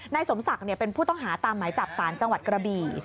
สมศักดิ์เป็นผู้ต้องหาตามหมายจับสารจังหวัดกระบี่